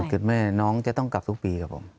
เกิดแม่น้องจะต้องกลับทุกปีครับผม